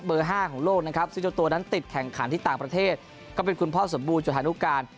เบอร์๕โลกติดแข่งขายที่ต่างประเทศคือกรรมพ่อสมบูรณ์จุดธานุการ